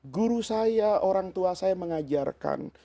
guru saya orang tua saya mengajarkan